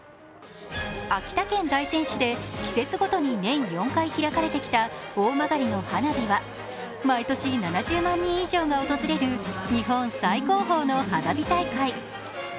秋田県大仙市で季節ごとに年４回開かれてきた大曲の花火は毎年７０万人以上が訪れる日本最高峰の花火大会。